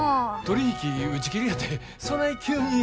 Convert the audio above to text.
取り引き打ち切りやてそない急に。